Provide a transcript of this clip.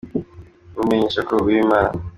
kimumenyeshanya ko ‘Uwimana.